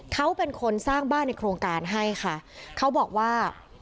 เขาเป็นคนสร้างบ้านในโครงการให้ค่ะเขาบอกว่า